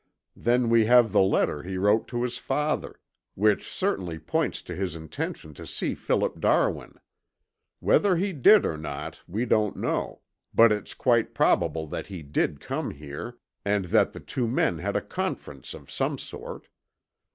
Then we have the letter he wrote his father, which certainly points to his intention to see Philip Darwin. Whether he did or not, we don't know, but it's quite probable that he did come here, and that the two men had a conference of some sort.